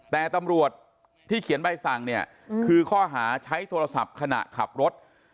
แต่ตำรวจที่เขียนใบสั่งเนี่ยคือข้อหาใช้โทรศัพท์ขณะขับรถ